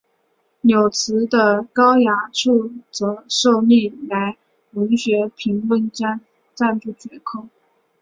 柳词的高雅处则受历来文学评论家赞不绝口。